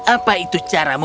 apa itu caramu